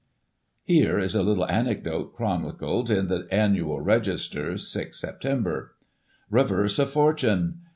Here is a little anecdote chronicled in the Annual Register (6 Sep.) :" Reverse of Fortune.